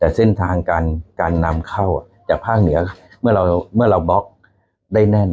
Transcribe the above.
แต่เส้นทางการนำเข้าจากภาคเหนือเมื่อเราเมื่อเราบล็อกได้แน่น